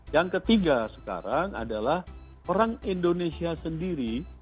yang ketiga sekarang adalah orang indonesia sendiri